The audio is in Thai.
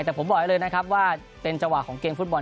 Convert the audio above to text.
แต่ผมบอกให้เลยนะครับว่าเป็นจังหวะของเกมฟุตบอล